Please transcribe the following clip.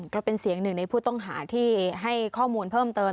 ก็เป็นเสียงหนึ่งในผู้ต้องหาที่ให้ข้อมูลเพิ่มเติม